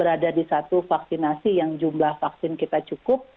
berada di satu vaksinasi yang jumlah vaksin kita cukup